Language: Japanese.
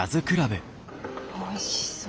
おいしそう。